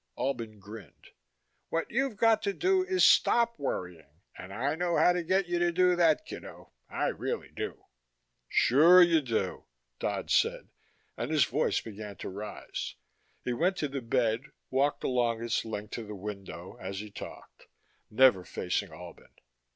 Albin grinned. "What you've got to do is stop worrying, and I know how to get you to do that, kiddo. I really do." "Sure you do," Dodd said, and his voice began to rise. He went to the bed, walked along its length to the window, as he talked, never facing Albin.